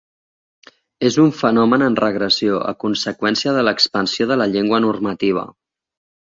És un fenomen en regressió, a conseqüència de l'expansió de la llengua normativa.